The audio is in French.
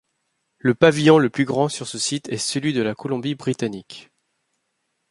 Le pavillon le plus grand sur ce site est celui de la Colombie-Britannique.